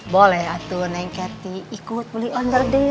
boleh atuh neng kerti ikut beli owner deal